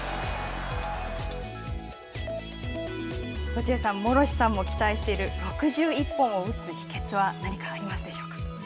落合さん、モロシさんも期待している６１本を打つ秘けつは何かありますでしょうか。